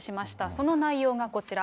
その内容がこちら。